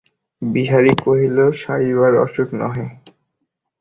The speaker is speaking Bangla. বিহারী কহিল, সারিবার অসুখ নহে।